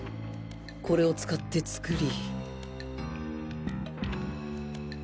これを使って作り